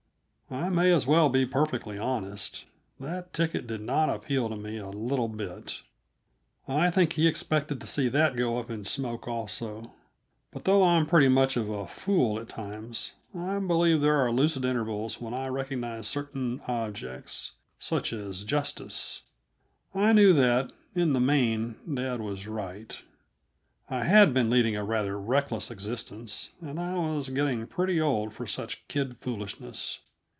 I may as well be perfectly honest! That ticket did not appeal to me a little bit. I think he expected to see that go up in smoke, also. But, though I'm pretty much of a fool at times, I believe there are lucid intervals when I recognize certain objects such as justice. I knew that, in the main, dad was right. I had been leading a rather reckless existence, and I was getting pretty old for such kid foolishness.